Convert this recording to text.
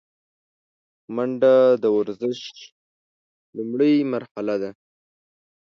منډه د ورزش لومړۍ مرحله ده